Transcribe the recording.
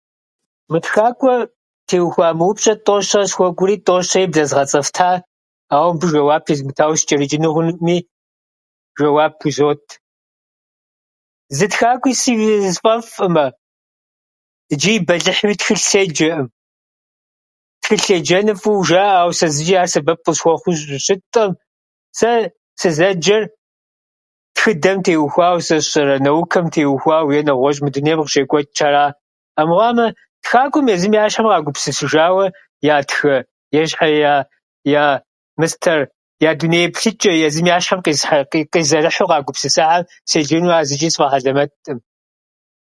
Мы тхакӏуэм теухуа мы упщӏэр тӏэу-щэи къысхуэкӏуэри тӏэу-щэи блэзгъэцӏэфта, ауэ мыбы жэуап езмытауэ счӏэрычӏыну хъунуӏыми, жэуап изот. Зы тхакӏуи си- сфӏэфӏӏымэ ичӏи бэлыхьууи тхылъ седжэӏым. Тхылъ еджэныр фӏыуэ жаӏэ, ауэ сэ зычӏи ар сэбэп къысхуэхъуу щы- щытӏым. Сэ сызэджэр тхыдэм теухуауэ, сэ сщӏэрэ, наукэм теухуауэ, уеи нэгъуэщӏ мы дунейм къыщекӏуэчӏхьэра. Амыхъуамэ, тхакӏуэм езым я щхьэм къагупсысыжауэ ятх ящхьэ я- я мыстхьэр, я дуней еплъычӏэ, езым я щхьэ къисхьа- къизэрыхьу къагупсысахьэр седжэну ар зычӏи сфӏэхьэлэмэтӏым.